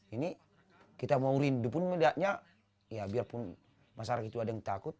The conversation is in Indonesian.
ini kita mau rindu pun bedanya ya biarpun masyarakat itu ada yang takut